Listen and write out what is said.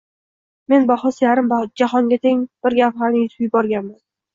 - Men bahosi yarim jahonga teng bir gavharni yutib yuborganman